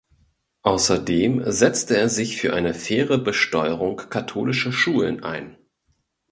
Außerdem setzte er sich für eine faire Besteuerung katholischer Schulen ein.